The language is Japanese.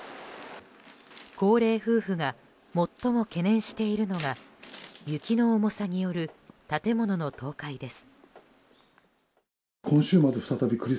高齢夫婦が最も懸念しているのが雪の重さによる建物の倒壊です。